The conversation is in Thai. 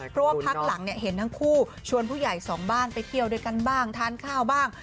เพราะว่าพักหลังเห็นทั้งคู่ชวนผู้ใหญ่สองบ้านไปเที่ยวด้วยกันบ้างทานข้าวบ้าง